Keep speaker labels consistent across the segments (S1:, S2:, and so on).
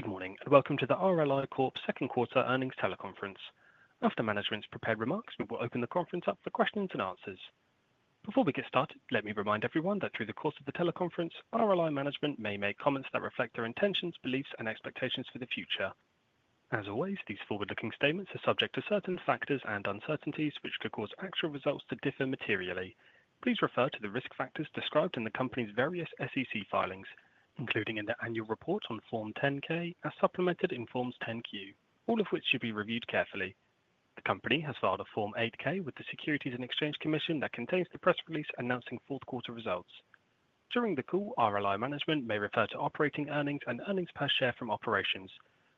S1: Good morning and welcome to the RLI Corp second quarter earnings teleconference. After management's prepared remarks, we will open the conference up for questions and answers. Before we get started, let me remind everyone that through the course of the teleconference, RLI management may make comments that reflect their intentions, beliefs, and expectations for the future. As always, these forward-looking statements are subject to certain factors and uncertainties which could cause actual results to differ materially. Please refer to the risk factors described in the company's various SEC filings, including in the annual report on Form 10-K as supplemented in Forms 10-Q, all of which should be reviewed carefully. The company has filed a Form 8-K with the Securities and Exchange Commission that contains the press release announcing fourth quarter results. During the call, RLI management may refer to operating earnings and earnings per share from operations,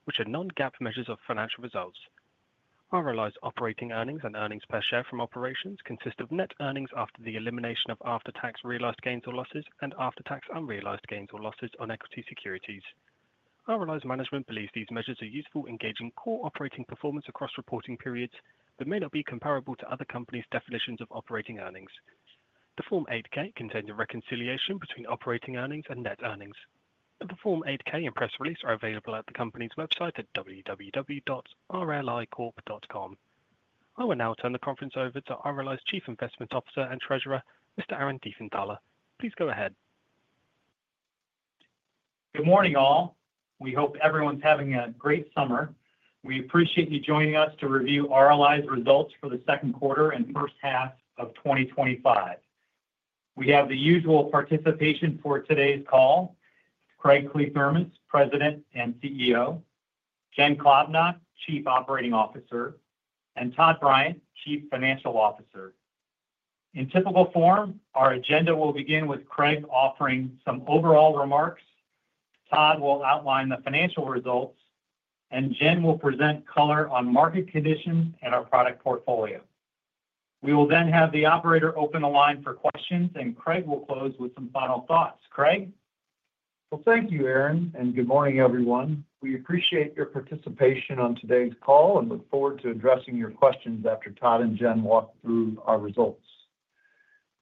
S1: which are non-GAAP measures of financial results. RLI's operating earnings and earnings per share from operations consist of net earnings after the elimination of after-tax realized gains or losses and after-tax unrealized gains or losses on equity securities. RLI's management believes these measures are useful in gauging core operating performance across reporting periods that may not be comparable to other companies' definitions of operating earnings. The Form 8-K contains a reconciliation between operating earnings and net earnings. The Form 8-K and press release are available at the company's website at www.rlicorp.com. I will now turn the conference over to RLI's Chief Investment Officer and Treasurer, Mr. Aaron Diefenthaler. Please go ahead.
S2: Good morning all. We hope everyone's having a great summer. We appreciate you joining us to review RLI Corp.'s results for the second quarter and first half of 2025. We have the usual participation for today's call: Craig Kliethermes, President and CEO, Jen Klobnak, Chief Operating Officer, and Todd Bryant, Chief Financial Officer. In typical form, our agenda will begin with Craig offering some overall remarks, Todd will outline the financial results, and Jen will present color on market conditions and our product portfolio. We will then have the operator open the line for questions, and Craig will close with some final thoughts. Craig?
S3: Thank you, Aaron, and good morning everyone. We appreciate your participation on today's call and look forward to addressing your questions after Todd and Jen walk through our results.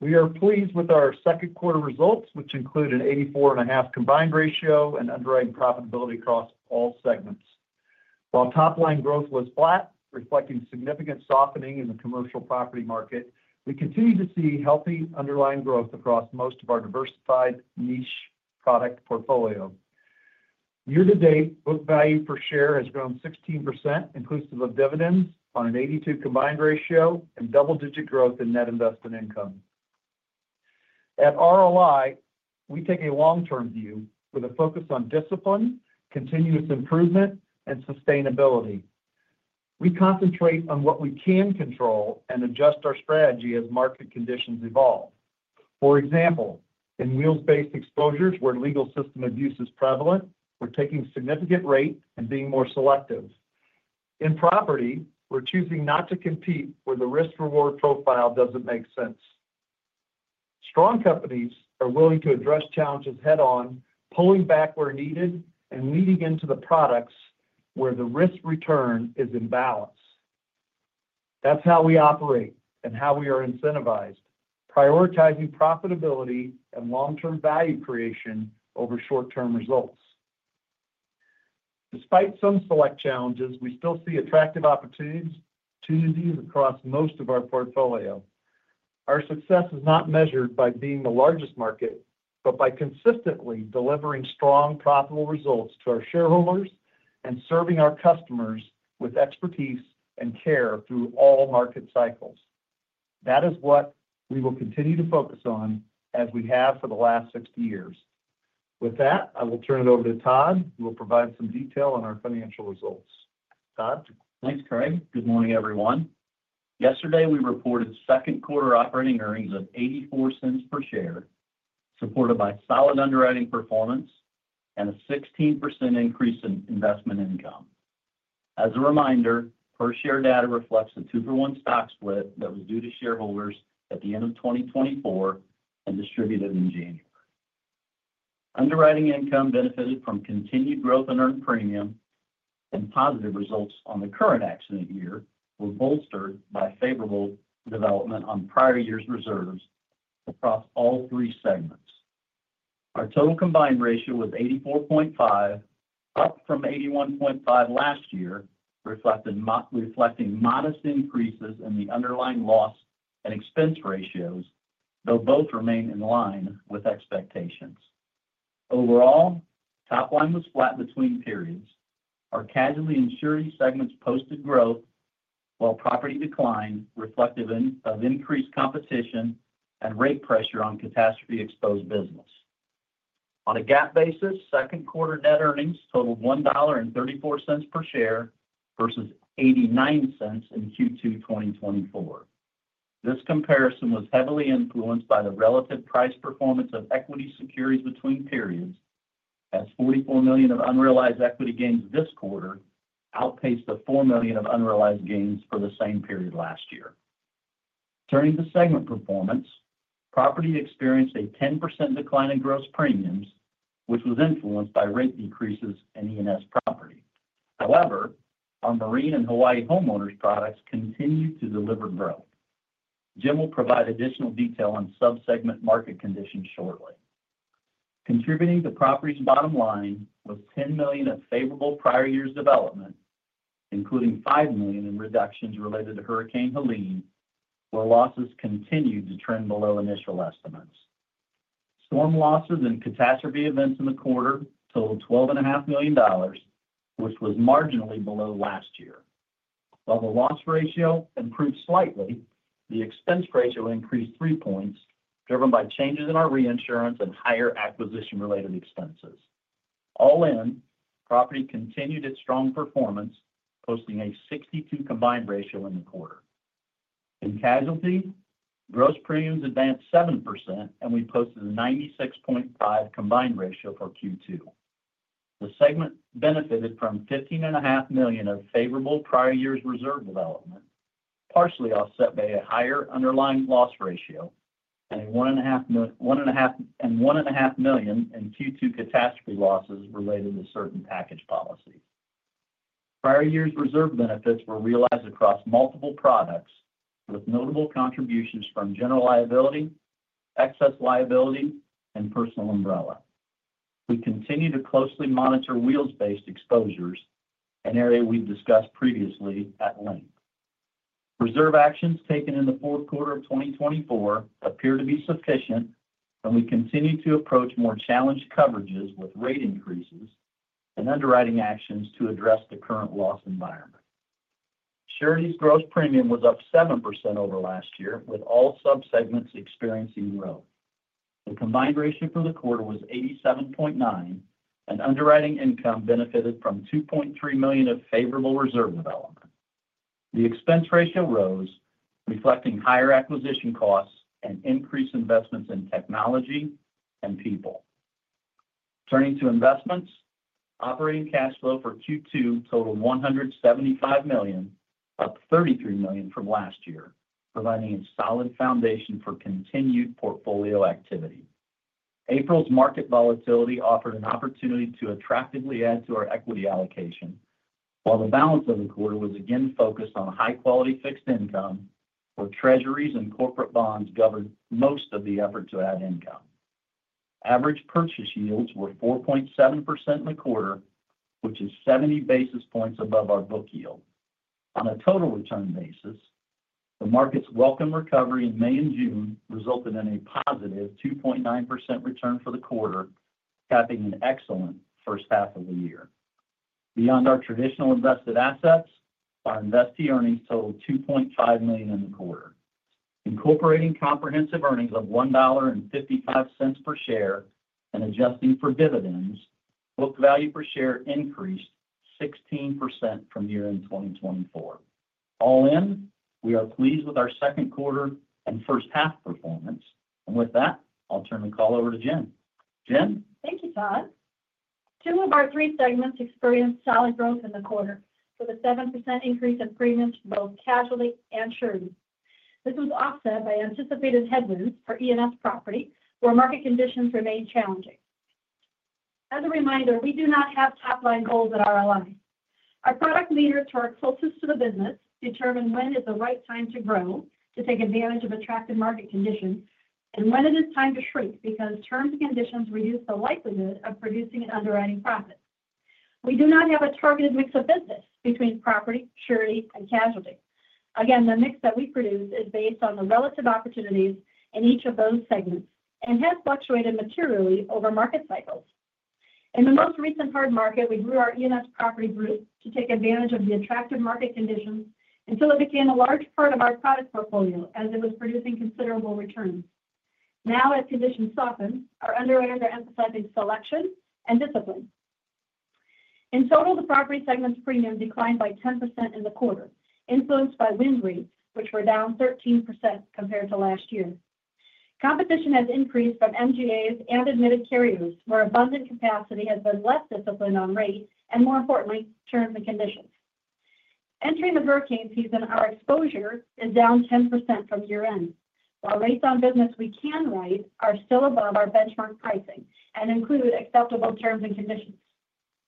S3: We are pleased with our second quarter results, which include an 84.5 combined ratio and underwriting profitability across all segments. While top line growth was flat, reflecting significant softening in the commercial property market, we continue to see healthy underlying growth across most of our diversified niche product portfolio. Year to date, book value per share has grown 16%, inclusive of dividends, on an 82 combined ratio and double-digit growth in net investment income. At RLI, we take a long-term view with a focus on discipline, continuous improvement, and sustainability. We concentrate on what we can control and adjust our strategy as market conditions evolve. For example, in wheels-based exposures, where legal system abuse is prevalent, we're taking a significant rate and being more selective. In property, we're choosing not to compete where the risk-reward profile doesn't make sense. Strong companies are willing to address challenges head-on, pulling back where needed, and leaning into the products where the risk return is imbalanced. That's how we operate and how we are incentivized, prioritizing profitability and long-term value creation over short-term results. Despite some select challenges, we still see attractive opportunities across most of our portfolio. Our success is not measured by being the largest market, but by consistently delivering strong profitable results to our shareholders and serving our customers with expertise and care through all market cycles. That is what we will continue to focus on as we have for the last 60 years. With that, I will turn it over to Todd, who will provide some detail on our financial results.
S4: Thanks, Craig. Good morning everyone. Yesterday, we reported second quarter operating earnings of $0.84 per share, supported by solid underwriting performance and a 16% increase in investment income. As a reminder, per share data reflects a two-for-one stock split that was due to shareholders at the end of 2024 and distributed in January. Underwriting income benefited from continued growth in earned premium, and positive results on the current exit year were bolstered by favorable development on prior year's reserves across all three segments. Our total combined ratio was 84.5, up from 81.5 last year, reflecting modest increases in the underlying loss and expense ratios, though both remain in line with expectations. Overall, top line was flat between periods. Our casualty insurance segments posted growth, while property declined, reflective of increased competition and rate pressure on catastrophe-exposed business. On a GAAP basis, second quarter net earnings totaled $1.34 per share versus $0.89 in Q2 2024. This comparison was heavily influenced by the relative price performance of equity securities between periods, as $44 million of unrealized equity gains this quarter outpaced the $4 million of unrealized gains for the same period last year. Turning to segment performance, property experienced a 10% decline in gross premiums, which was influenced by rate decreases in the E&S property. However, our marine and Hawaii homeowners' products continued to deliver growth. Jen will provide additional detail on subsegment market conditions shortly. Contributing to property's bottom line was $10 million of favorable prior year's development, including $5 million in reductions related to Hurricane Helene, where losses continued to trend below initial estimates. Storm losses and catastrophe events in the quarter totaled $12.5 million, which was marginally below last year. While the loss ratio improved slightly, the expense ratio increased three points, driven by changes in our reinsurance purchases and higher acquisition-related expenses. All in, property continued its strong performance, posting a 62 combined ratio in the quarter. In casualty, gross premiums advanced 7%, and we posted a 96.5 combined ratio for Q2. The segment benefited from $15.5 million of favorable prior year's reserve development, partially offset by a higher underlying loss ratio and $1.5 million in Q2 catastrophe losses related to certain package policies. Prior year's reserve benefits were realized across multiple products, with notable contributions from general liability, excess liability, and personal umbrella. We continue to closely monitor wheels-based exposures, an area we've discussed previously at length. Reserve actions taken in the fourth quarter of 2024 appear to be sufficient, and we continue to approach more challenged coverages with rate increases and underwriting actions to address the current loss environment. Surety's gross premium was up 7% over last year, with all subsegments experiencing growth. The combined ratio for the quarter was 87.9, and underwriting income benefited from $2.3 million of favorable reserve development. The expense ratio rose, reflecting higher acquisition costs and increased investments in technology and people. Turning to investments, operating cash flow for Q2 totaled $175 million, up $33 million from last year, providing a solid foundation for continued portfolio activity. April's market volatility offered an opportunity to attractively add to our equity allocation, while the balance of the quarter was again focused on high-quality fixed income, where treasuries and corporate bonds governed most of the effort to add income. Average purchase yields were 4.7% in the quarter, which is 70 basis points above our book yield. On a total return basis, the market's welcome recovery in May and June resulted in a positive 2.9% return for the quarter, capping an excellent first half of the year. Beyond our traditional invested assets, our investee earnings totaled $2.5 million in the quarter. Incorporating comprehensive earnings of $1.55 per share and adjusting for dividends, book value per share increased 16% from year end 2024. All in, we are pleased with our second quarter and first half performance, and with that, I'll turn the call over to Jen. Jen?
S5: Thank you, Todd. Two of our three segments experienced solid growth in the quarter, with a 7% increase in premiums in both casualty and surety. This was offset by anticipated headwinds for E&S property, where market conditions remain challenging. As a reminder, we do not have top line goals at RLI. Our product leaders who are closest to the business determine when is the right time to grow to take advantage of attractive market conditions and when it is time to shrink because terms and conditions reduce the likelihood of producing an underwriting profit. We do not have a targeted mix of business between property, surety, and casualty. Again, the mix that we produce is based on the relative opportunities in each of those segments and has fluctuated materially over market cycles. In the most recent hard market, we grew our E&S property group to take advantage of the attractive market conditions until it became a large part of our product portfolio as it was producing considerable returns. Now, as conditions soften, our underwriters are emphasizing selection and discipline. In total, the property segment's premium declined by 10% in the quarter, influenced by wind rates, which were down 13% compared to last year. Competition has increased from MGAs and admitted carriers, where abundant capacity has been less disciplined on rates and, more importantly, terms and conditions. Entering the hurricane season, our exposure is down 10% from year end, while rates on business we can write are still above our benchmark pricing and include acceptable terms and conditions.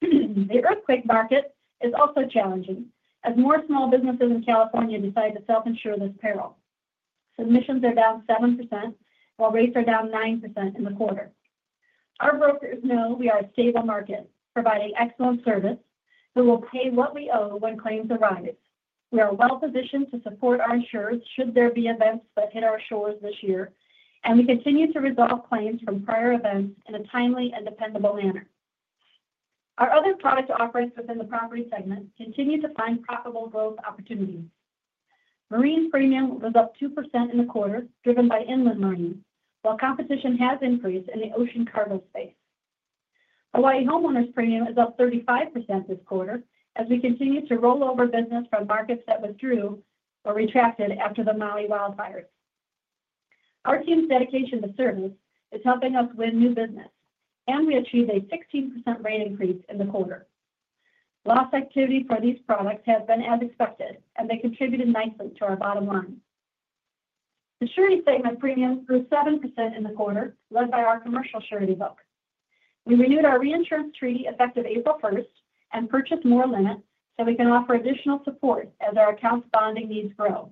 S5: The earthquake market is also challenging as more small businesses in California decide to self-insure this peril. Submissions are down 7%, while rates are down 9% in the quarter. Our brokers know we are a stable market, providing excellent service, who will pay what we owe when claims arise. We are well positioned to support our insureds should there be events that hit our shores this year, and we continue to resolve claims from prior events in a timely and dependable manner. Our other product offerings within the property segment continue to find profitable growth opportunities. Marine's premium was up 2% in the quarter, driven by inland marine, while competition has increased in the ocean cargo space. Hawaii homeowners' premium is up 35% this quarter as we continue to roll over business from markets that withdrew or retracted after the Maui wildfires. Our team's dedication to service is helping us win new business, and we achieved a 16% rate increase in the quarter. Loss activity for these products has been as expected, and they contributed nicely to our bottom line. The surety segment premiums grew 7% in the quarter, led by our commercial surety book. We renewed our reinsurance treaty effective April 1 and purchased more limits so we can offer additional support as our accounts' bonding needs grow.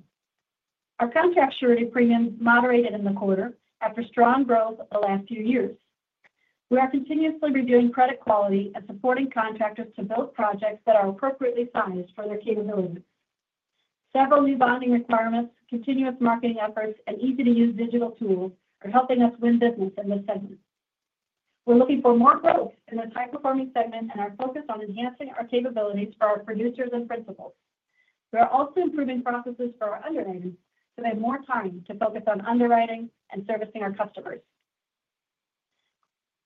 S5: Our contract surety premiums moderated in the quarter after strong growth the last few years. We are continuously reviewing credit quality and supporting contractors to build projects that are appropriately sized for their capabilities. Several new bonding requirements, continuous marketing efforts, and easy-to-use digital tools are helping us win business in this segment. We're looking for more growth in this high-performing segment and are focused on enhancing our capabilities for our producers and principals. We are also improving processes for our underwriters so they have more time to focus on underwriting and servicing our customers.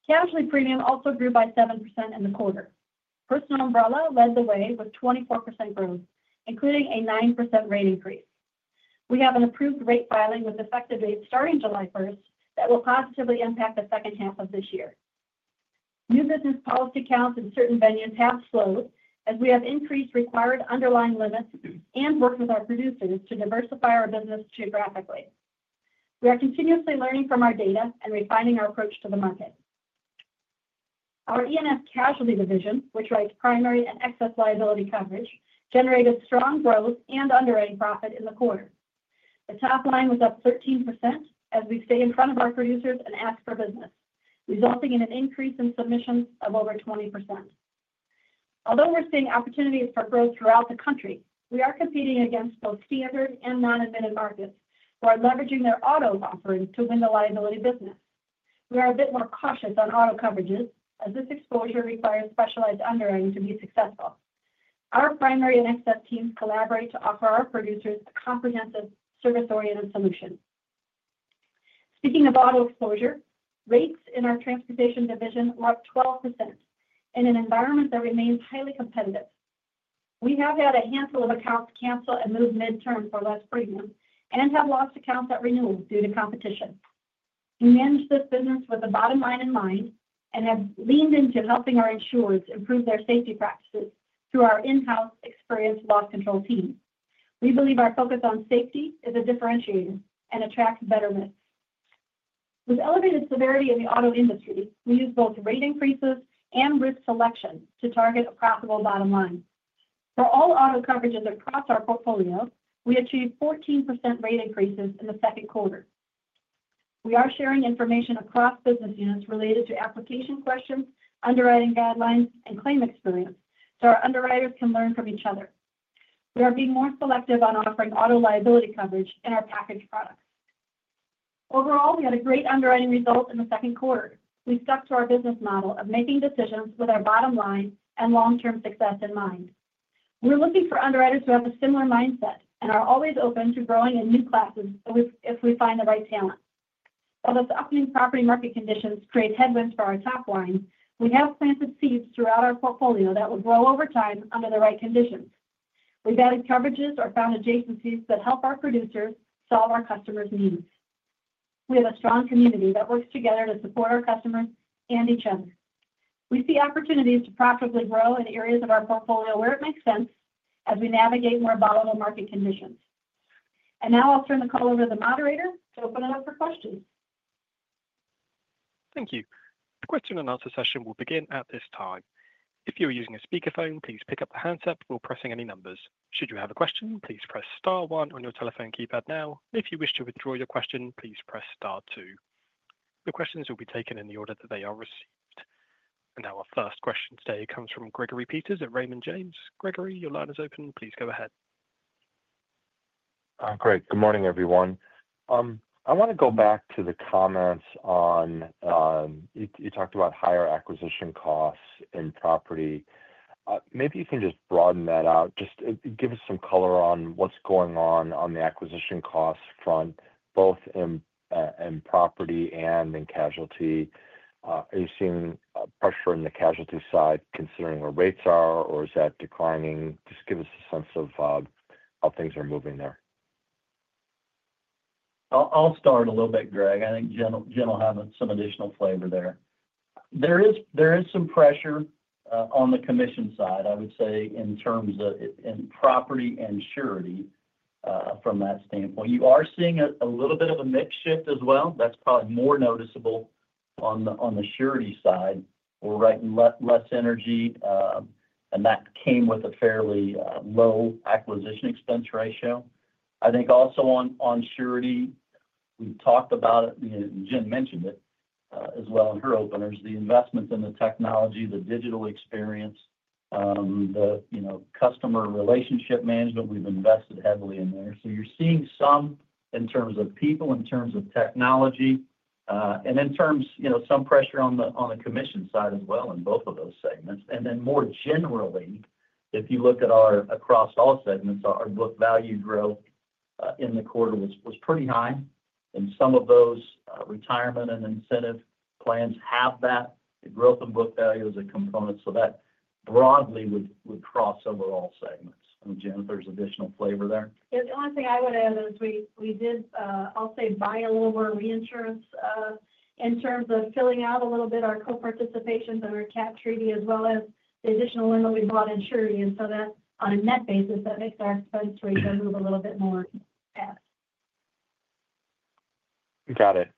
S5: Casualty premium also grew by 7% in the quarter. Personal umbrella led the way with 24% growth, including a 9% rate increase. We have an approved rate filing with effective dates starting July 1 that will positively impact the second half of this year. New business policy counts in certain venues have slowed as we have increased required underlying limits and worked with our producers to diversify our business geographically. We are continuously learning from our data and refining our approach to the market. Our E&S casualty division, which writes primary and excess liability coverage, generated strong growth and underwriting profit in the quarter. The top line was up 13% as we stay in front of our producers and ask for business, resulting in an increase in submissions of over 20%. Although we're seeing opportunities for growth throughout the country, we are competing against both standard and non-admitted markets who are leveraging their auto offering to win the liability business. We are a bit more cautious on auto coverages as this exposure requires specialized underwriting to be successful. Our primary and excess teams collaborate to offer our producers a comprehensive service-oriented solution. Speaking of auto exposure, rates in our transportation division were up 12% in an environment that remains highly competitive. We have had a handful of accounts cancel and move midterm for less premium and have lost accounts at renewal due to competition. We manage this business with the bottom line in mind and have leaned into helping our insureds improve their safety practices through our in-house experienced loss control team. We believe our focus on safety is a differentiator and attracts better mids. With elevated severity in the auto industry, we use both rate increases and risk selection to target a profitable bottom line. For all auto coverages across our portfolio, we achieved 14% rate increases in the second quarter. We are sharing information across business units related to application questions, underwriting guidelines, and claim experience so our underwriters can learn from each other. We are being more selective on offering auto liability coverage in our package products. Overall, we had a great underwriting result in the second quarter. We stuck to our business model of making decisions with our bottom line and long-term success in mind. We're looking for underwriters who have a similar mindset and are always open to growing in new classes if we find the right talent. While the upcoming property market conditions create headwinds for our top line, we have planted seeds throughout our portfolio that will grow over time under the right conditions. We value coverages or found adjacencies that help our producers solve our customers' needs. We have a strong community that works together to support our customers and each other. We see opportunities to profitably grow in areas of our portfolio where it makes sense as we navigate more volatile market conditions. Now I'll turn the call over to the moderator to open it up for questions.
S1: Thank you. The question and answer session will begin at this time. If you're using a speakerphone, please pick up the handset before pressing any numbers. Should you have a question, please press star one on your telephone keypad now. If you wish to withdraw your question, please press star two. Your questions will be taken in the order that they are received. Our first question today comes from Gregory Peters at Raymond James. Gregory, your line is open. Please go ahead.
S6: Good morning everyone. I want to go back to the comments on you talked about higher acquisition costs in property. Maybe you can just broaden that out. Just give us some color on what's going on on the acquisition costs front, both in property and in casualty. Are you seeing pressure on the casualty side considering where rates are, or is that declining? Just give us a sense of how things are moving there.
S3: I'll start a little bit, Greg. I think Jen will have some additional flavor there. There is some pressure on the commission side, I would say, in terms of property and surety from that standpoint. You are seeing a little bit of a mix shift as well. That's probably more noticeable on the surety side. We're writing less energy, and that came with a fairly low acquisition expense ratio. I think also on surety, we've talked about it, you know, Jen mentioned it as well in her openers, the investments in the technology, the digital experience, the customer relationship management. We've invested heavily in there. You are seeing some in terms of people, in terms of technology, and in terms, you know, some pressure on the commission side as well in both of those segments. More generally, if you look at our across all segments, our book value growth in the quarter was pretty high. Some of those retirement and incentive plans have that. The growth in book value is a component. That broadly would cross over all segments. I don't know, Jennifer, there's additional flavor there.
S5: The only thing I would add is we did, I'll say, buy a little more reinsurance in terms of filling out a little bit our co-participations in our cap treaty, as well as the additional lend that we bought in surety. On a net basis, that makes our expense rate go move a little bit more fast.
S6: Got it.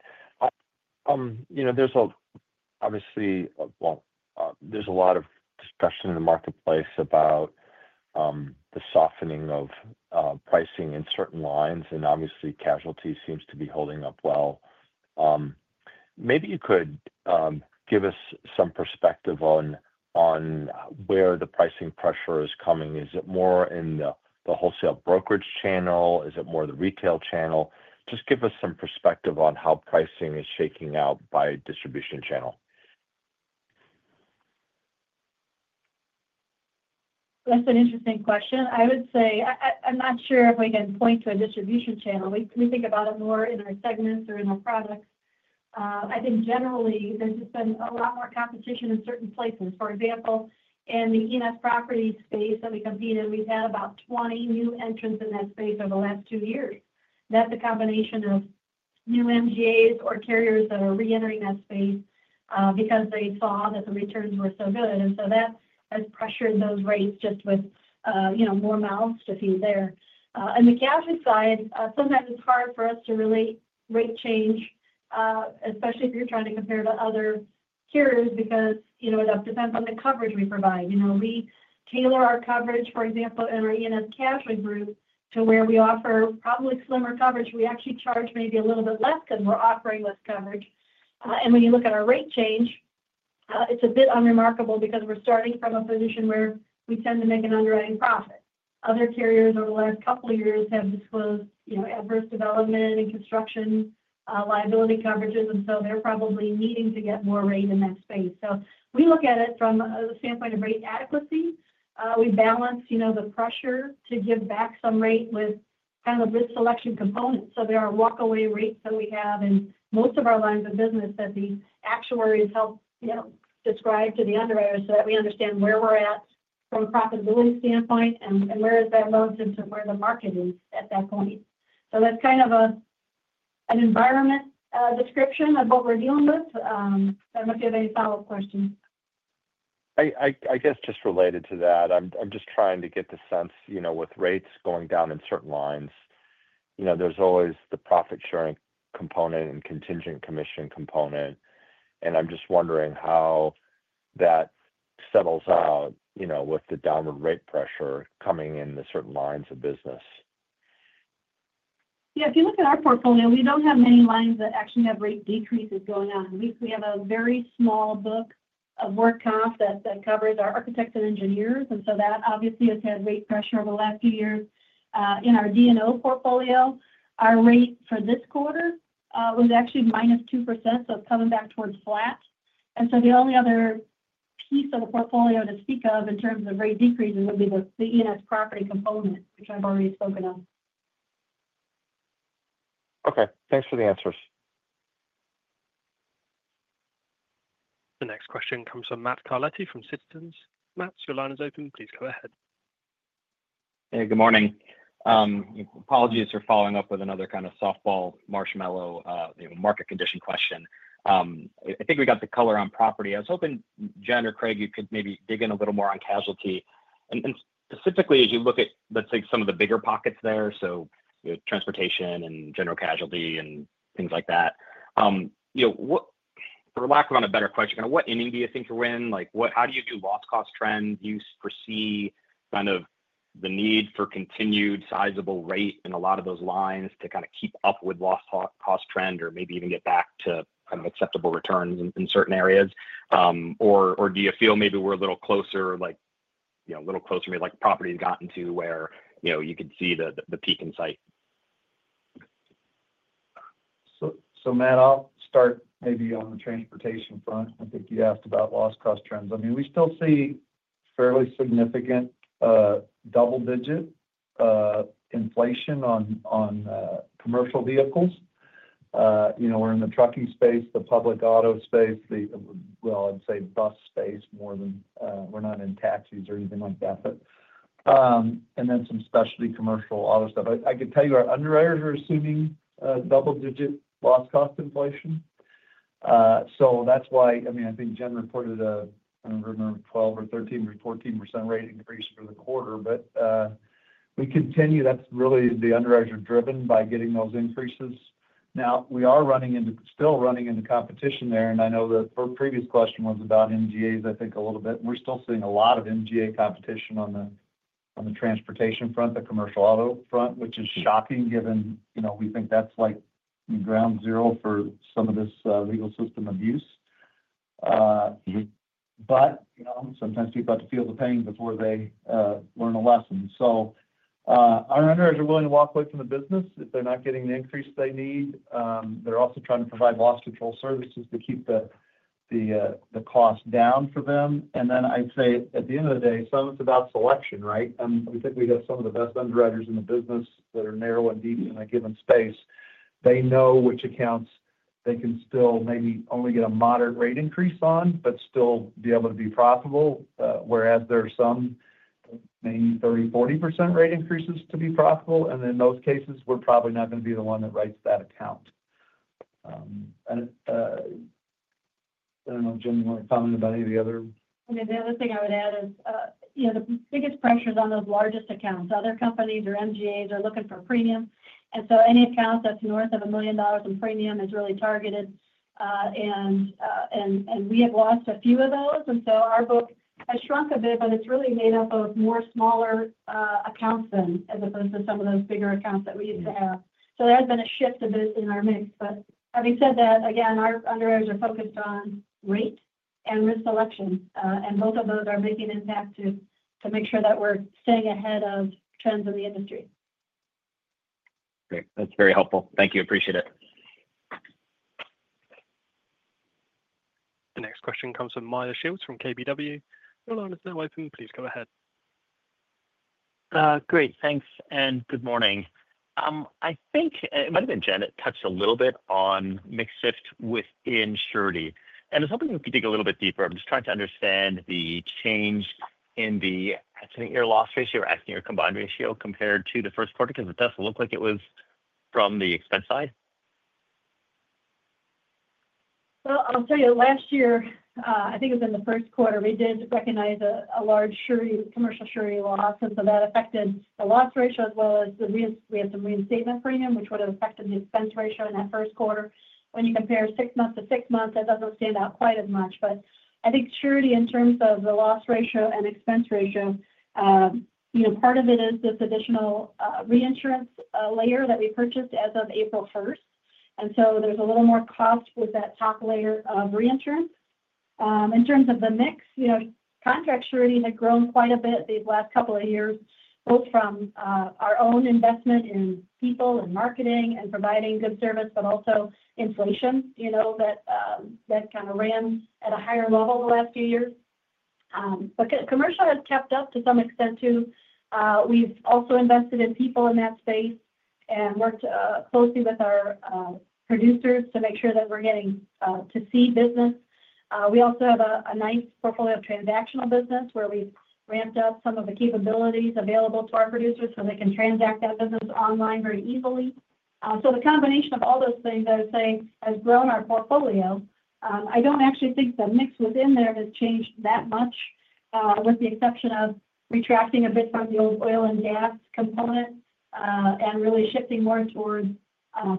S6: There's a lot of discussion in the marketplace about the softening of pricing in certain lines. Obviously, casualty seems to be holding up well. Maybe you could give us some perspective on where the pricing pressure is coming. Is it more in the wholesale brokerage channel? Is it more the retail channel? Just give us some perspective on how pricing is shaking out by distribution channel.
S5: That's an interesting question. I would say I'm not sure if we can point to a distribution channel. We think about it more in our segments or in our products. I think generally, there's just been a lot more competition in certain places. For example, in the E&S property space that we competed in, we've had about 20 new entrants in that space over the last two years. That's a combination of new MGAs or carriers that are reentering that space because they saw that the returns were so good. That has pressured those rates just with, you know, more mouths to feed there. On the casualty rate side, sometimes it's hard for us to relate rate change, especially if you're trying to compare to other carriers because, you know, it depends on the coverage we provide. You know, we tailor our coverage, for example, in our E&S casualty group to where we offer probably slimmer coverage. We actually charge maybe a little bit less because we're offering less coverage. When you look at our rate change, it's a bit unremarkable because we're starting from a position where we tend to make an underwriting profit. Other carriers over the last couple of years have disclosed, you know, adverse development in construction liability coverages. They're probably needing to get more rate in that space. We look at it from the standpoint of rate adequacy. We balance, you know, the pressure to give back some rate with kind of a risk selection component. There are walk-away rates that we have in most of our lines of business that these actuaries help, you know, describe to the underwriters so that we understand where we're at from a profitability standpoint and where is that relative to where the market is at that point. That's kind of an environment description of what we're dealing with. I don't know if you have any follow-up questions.
S6: I guess just related to that, I'm just trying to get the sense, you know, with rates going down in certain lines, there's always the profit-sharing component and contingent commission component. I'm just wondering how that settles out with the downward rate pressure coming into certain lines of business.
S5: If you look at our portfolio, we don't have many lines that actually have rate decreases going on. We have a very small book of work comp that covers our architects and engineers, and that obviously has had rate pressure over the last few years. In our D&O portfolio, our rate for this quarter was actually -2%. It's coming back towards flat. The only other piece of the portfolio to speak of in terms of rate decreases would be the E&S property component, which I've already spoken of.
S6: Okay, thanks for the answers.
S1: The next question comes from Matt Carletti from Citizens. Matt, your line is open. Please go ahead.
S7: Hey, good morning. Apologies for following up with another kind of softball marshmallow, you know, market condition question. I think we got the color on property. I was hoping, Jen or Craig, you could maybe dig in a little more on casualty. Specifically, as you look at, let's say, some of the bigger pockets there, so you know, transportation and general casualty and things like that. For lack of a better question, kind of what inning do you think you're in? How do you view loss cost trend? Do you foresee kind of the need for continued sizable rate in a lot of those lines to kind of keep up with loss cost trend or maybe even get back to kind of acceptable returns in certain areas? Do you feel maybe we're a little closer, like, you know, a little closer maybe like property has gotten to where, you know, you could see the peak in sight?
S3: Matt, I'll start maybe on the transportation front. I think you asked about loss cost trends. We still see fairly significant double-digit inflation on commercial vehicles. We're in the trucking space, the public auto space, the bus space more than we're not in taxis or anything like that, and then some specialty commercial auto stuff. I could tell you our underwriters are assuming double-digit loss cost inflation. That's why, I think Jen reported a, I don't remember, 12% or 13% or 14% rate increase for the quarter. We continue, that's really the underwriters are driven by getting those increases. We are still running into competition there. I know that her previous question was about MGAs, I think a little bit. We're still seeing a lot of MGA competition on the transportation front, the commercial auto front, which is shocking given we think that's like ground zero for some of this legal system abuse. Sometimes people have to feel the pain before they learn a lesson. Our underwriters are willing to walk away from the business if they're not getting the increase they need. They're also trying to provide loss control services to keep the cost down for them. At the end of the day, some of it's about selection, right? We think we have some of the best underwriters in the business that are narrow and deep in a given space. They know which accounts they can still maybe only get a moderate rate increase on, but still be able to be profitable. Whereas there are some that may need 30% or 40% rate increases to be profitable. In those cases, we're probably not going to be the one that writes that account. I don't know, Jen, you want to comment about any of the other.
S5: The other thing I would add is the biggest pressure is on those largest accounts. Other companies or MGAs are looking for premium, so any account that's north of $1 million in premium is really targeted. We have lost a few of those, and our book has shrunk a bit, but it's really made up of more smaller accounts now as opposed to some of those bigger accounts that we used to have. There has been a shift a bit in our mix. Having said that, our underwriters are focused on rate and risk selection, and both of those are making an impact to make sure that we're staying ahead of trends in the industry.
S7: Great. That's very helpful. Thank you. Appreciate it.
S1: The next question comes from Meyer Shields from KBW. Your line is now open. Please go ahead.
S8: Great. Thanks. Good morning. I think it might have been Jen. It touched a little bit on mix shift within surety. I was hoping we could dig a little bit deeper. I'm just trying to understand the change in the estimated ear loss ratio or estimated ear combined ratio compared to the first quarter because it doesn't look like it was from the expense side.
S5: Last year, I think it was in the first quarter, we did recognize a large commercial surety loss. That affected the loss ratio as well as the reinstatement premium, which would have affected the expense ratio in that first quarter. When you compare six months to six months, that doesn't stand out quite as much. I think surety in terms of the loss ratio and expense ratio, part of it is this additional reinsurance layer that we purchased as of April 1st. There's a little more cost with that top layer of reinsurance. In terms of the mix, contract surety had grown quite a bit these last couple of years, both from our own investment in people and marketing and providing good service, but also inflation, you know, that kind of ran at a higher level the last few years. Commercial has kept up to some extent too. We've also invested in people in that space and worked closely with our producers to make sure that we're getting to see business. We also have a nice portfolio of transactional business where we've ramped up some of the capabilities available to our producers so they can transact that business online very easily. The combination of all those things, I would say, has grown our portfolio. I don't actually think the mix within there has changed that much with the exception of retracting a bit from the old oil and gas component and really shifting more towards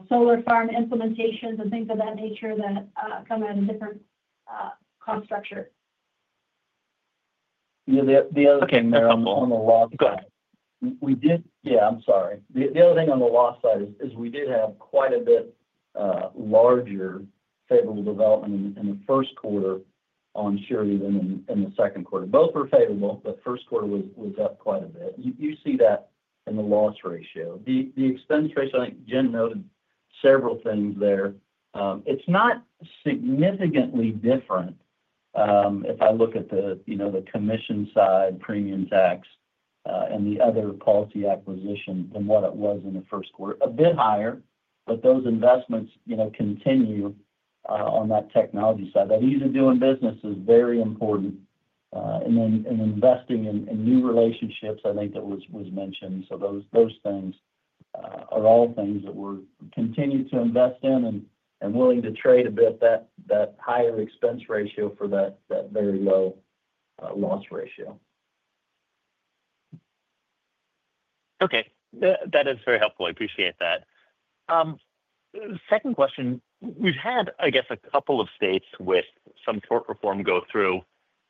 S5: solar farm implementations and things of that nature that come at a different cost structure.
S4: The other thing on the loss side is we did have quite a bit larger favorable development in the first quarter on surety than in the second quarter. Both were favorable, but the first quarter was up quite a bit. You see that in the loss ratio. The expense ratio, I think Jen noted several things there. It's not significantly different if I look at the commission side, premium tax, and the other policy acquisition than what it was in the first quarter. A bit higher, but those investments continue on that technology side. That ease of doing business is very important. Investing in new relationships, I think that was mentioned. Those things are all things that we're continuing to invest in and willing to trade a bit that higher expense ratio for that very low loss ratio.
S8: Okay. That is very helpful. I appreciate that. Second question, we've had a couple of states with some tort reform go through.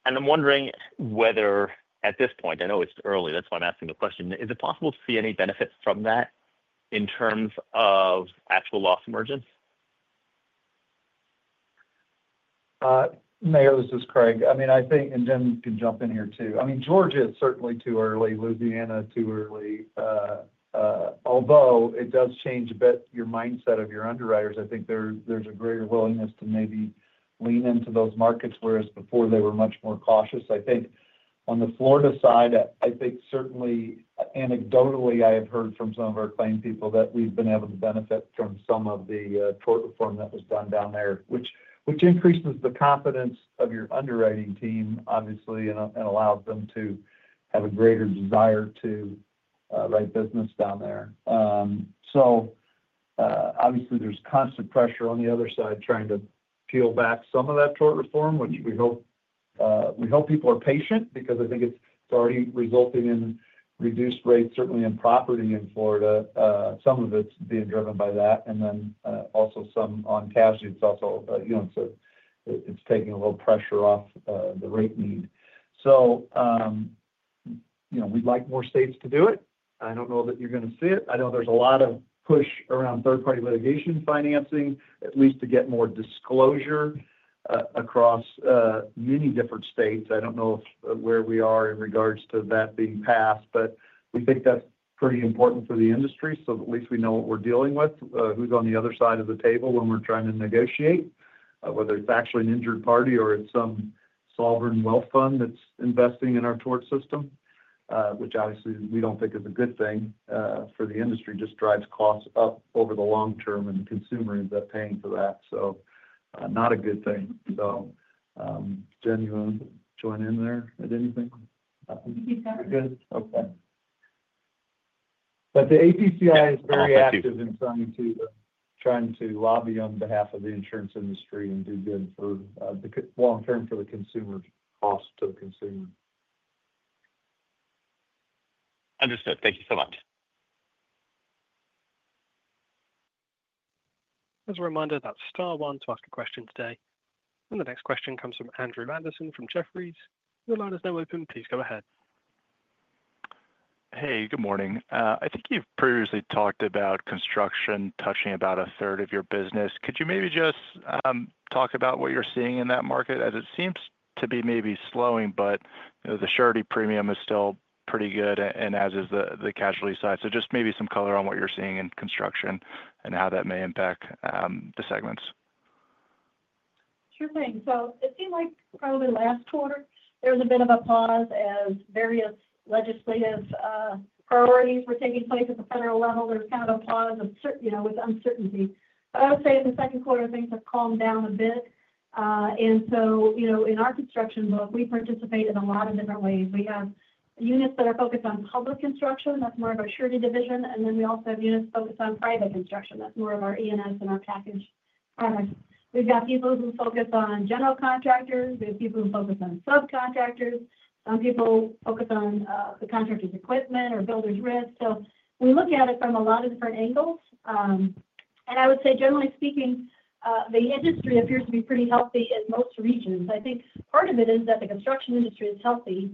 S8: I'm wondering whether at this point, I know it's early, that's why I'm asking the question, is it possible to see any benefits from that in terms of actual loss emergence?
S3: Meyer, Craig? I mean, I think, and Jen can jump in here too. Georgia is certainly too early. Louisiana is too early. Although it does change a bit your mindset of your underwriters, I think there's a greater willingness to maybe lean into those markets, whereas before they were much more cautious. On the Florida side, I think certainly anecdotally, I have heard from some of our claim people that we've been able to benefit from some of the tort reform that was done down there, which increases the confidence of your underwriting team, obviously, and allows them to have a greater desire to write business down there. Obviously, there's constant pressure on the other side trying to peel back some of that tort reform, which we hope people are patient because I think it's already resulting in reduced rates, certainly in property in Florida. Some of it's being driven by that, and then also some on casualty. It's also taking a little pressure off the rate need. We'd like more states to do it. I don't know that you're going to see it. I know there's a lot of push around third-party litigation financing, at least to get more disclosure across many different states. I don't know where we are in regards to that being passed, but we think that's pretty important for the industry. At least we know what we're dealing with, who's on the other side of the table when we're trying to negotiate, whether it's actually an injured party or it's some sovereign wealth fund that's investing in our tort system, which obviously we don't think is a good thing for the industry. It just drives costs up over the long term, and the consumer ends up paying for that. Not a good thing. Jen, you want to join in there at anything?
S5: I think you covered it.
S3: Okay. The APCI is very active in trying to lobby on behalf of the insurance industry and do good for the long term for the consumer cost to the consumer.
S8: Understood. Thank you so much.
S1: As a reminder, that's star one to ask a question today. The next question comes from Andrew Andersen from Jefferies. Your line is now open. Please go ahead.
S9: Hey, good morning. I think you've previously talked about construction touching about a third of your business. Could you maybe just talk about what you're seeing in that market as it seems to be maybe slowing, but you know the surety premium is still pretty good and as is the casualty side? Just maybe some color on what you're seeing in construction and how that may impact the segments.
S5: Sure thing. It seemed like probably last quarter there was a bit of a pause as various legislative priorities were taking place at the federal level. There was kind of a pause with uncertainty. I would say in the second quarter, things have calmed down a bit. In our construction book, we participate in a lot of different ways. We have units that are focused on public construction. That's more of our surety division. We also have units focused on private construction. That's more of our E&S and our package products. We've got people who focus on general contractors. We have people who focus on subcontractors. Some people focus on the contractor's equipment or builders' risks. We look at it from a lot of different angles. I would say, generally speaking, the industry appears to be pretty healthy in most regions. I think part of it is that the construction industry is healthy.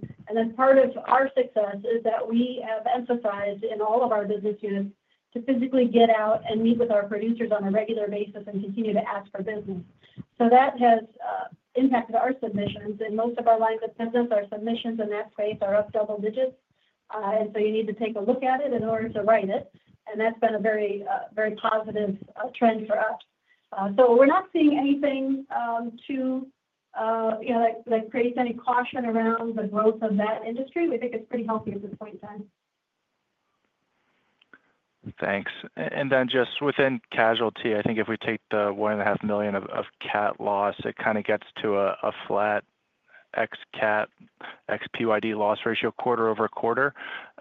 S5: Part of our success is that we have emphasized in all of our business units to physically get out and meet with our producers on a regular basis and continue to ask for business. That has impacted our submissions. In most of our lines of business, our submissions in that space are up double digits. You need to take a look at it in order to write it. That's been a very, very positive trend for us. We're not seeing anything that creates any caution around the growth of that industry. We think it's pretty healthy at this point in time.
S9: Thanks. Within casualty, I think if we take the $1.5 million of CAT loss, it kind of gets to a flat ex-CAT, ex-PYD loss ratio quarter over quarter.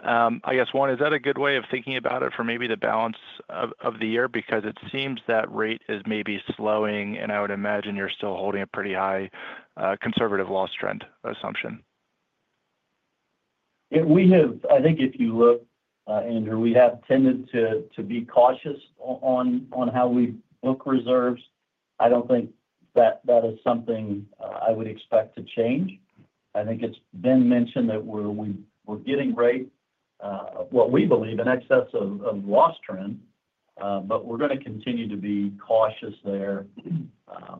S9: I guess, Juan, is that a good way of thinking about it for maybe the balance of the year? It seems that rate is maybe slowing, and I would imagine you're still holding a pretty high conservative loss trend assumption.
S3: We have, I think if you look, Andrew, we have tended to be cautious on how we book reserves. I don't think that that is something I would expect to change. I think it's been mentioned that we're getting rate, what we believe, in excess of loss trends, but we're going to continue to be cautious there,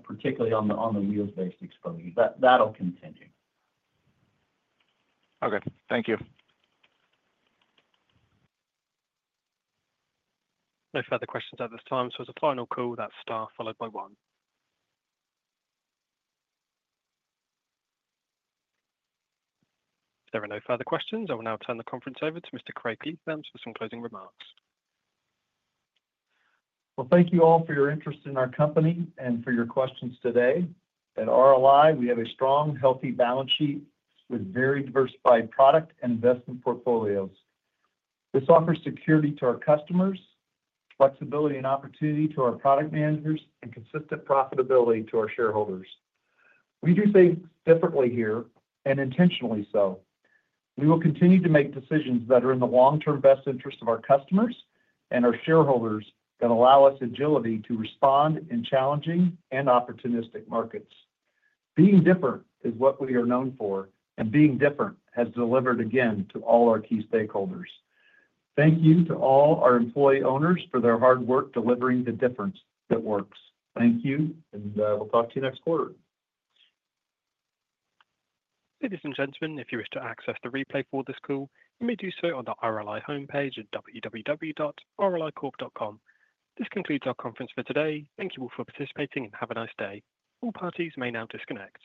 S3: particularly on the wheels-based exposure. That'll continue.
S9: Okay, thank you.
S1: No further questions at this time. As a final call, that's star followed by one. If there are no further questions, I will now turn the conference over to Mr. Craig Kliethermes for some closing remarks.
S3: Thank you all for your interest in our company and for your questions today. At RLI Corp., we have a strong, healthy balance sheet with very diversified product and investment portfolios. This offers security to our customers, flexibility and opportunity to our product managers, and consistent profitability to our shareholders. We do things differently here and intentionally so. We will continue to make decisions that are in the long-term best interest of our customers and our shareholders that allow us agility to respond in challenging and opportunistic markets. Being different is what we are known for, and being different has delivered again to all our key stakeholders. Thank you to all our employee owners for their hard work delivering the difference that works. Thank you, and we'll talk to you next quarter.
S1: Ladies and gentlemen, if you wish to access the replay for this call, you may do so on the RLI homepage at www.rlicorp.com. This concludes our conference for today. Thank you all for participating and have a nice day. All parties may now disconnect.